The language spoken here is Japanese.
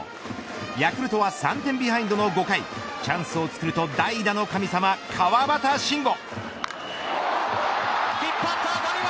ヤクルトは３点ビハインドの５回チャンスを作ると代打の神様、川端慎吾。